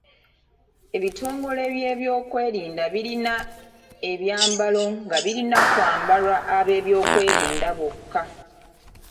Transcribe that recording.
Ebitongole by'ebyokwerinda birina ebyambalo nga birina kwambalwa ab'ebyokwerinda bokka.